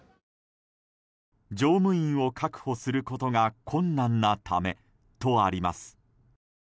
「乗務員を確保することが困難なため」とあります。